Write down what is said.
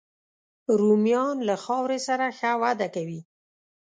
رومیان له خاورې سره ښه وده کوي